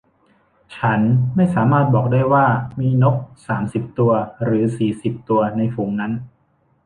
ฉันไม่สามารถบอกได้ว่ามีนกสามสิบตัวหรือสี่สิบตัวในฝูงนั้น